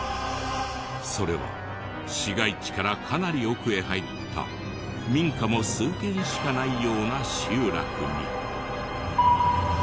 それは市街地からかなり奥へ入った民家も数軒しかないような集落に。